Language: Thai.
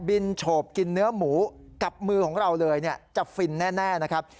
โฉบกินเนื้อหมูกับมือของเราเลยจะฟินแน่นะครับ